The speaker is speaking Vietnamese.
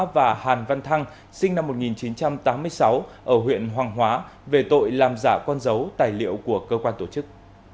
và hàn văn thăng sinh năm một nghìn chín trăm tám mươi sáu ở huyện hoàng hóa về tội làm giả con dấu tài liệu của cơ quan tổ chức